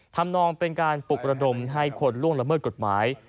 นองเป็นการปลุกระดมให้คนล่วงละเมิดกฎหมาย